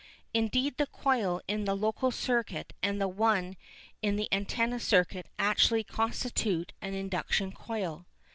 Indeed the coil in the local circuit and the one in the antenna circuit actually constitute an induction coil.